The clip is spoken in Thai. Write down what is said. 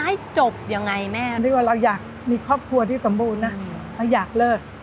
ให้จบยังไงแม่นึกว่าเราอยากมีครอบครัวที่สมบูรณ์นะเราอยากเลิก